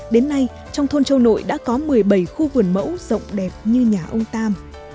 đến nay trong thôn châu nội đã có một mươi bảy khu vườn mẫu rộng đẹp như nhà ông tam